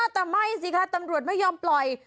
แต่ไม่สิคะตำรวจไม่ยอมปล่อย